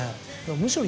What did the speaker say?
むしろ。